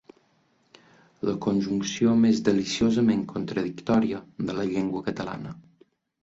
La conjunció més deliciosament contradictòria de la llengua catalana.